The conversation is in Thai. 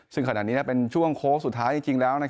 ซึ่งขณะนี้เป็นช่วงโค้งสุดท้ายจริงแล้ว